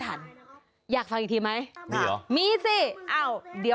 ให้พวกเรามีจำหนัยสามปุ่งร้อย